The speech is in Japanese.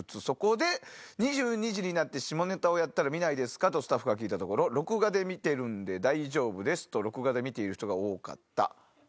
そこで、２２時になって、下ネタをやったら、見ないですか？とスタッフが聞いたところ、録画で見てるんで大丈夫です！と、録画で見ている人が多かった。